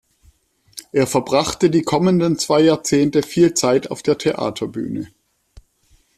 Er verbrachte die kommenden zwei Jahrzehnte viel Zeit auf der Theaterbühne.